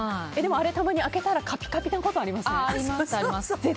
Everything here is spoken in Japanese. あれたまに開けたらカピカピなことありません？